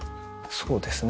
そうですね。